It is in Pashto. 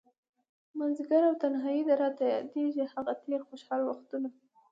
مازديګری او تنهائي ده، راته ياديږي هغه تير خوشحال وختونه